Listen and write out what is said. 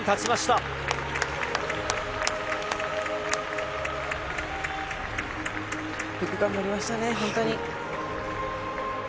よく頑張りましたね、本当に。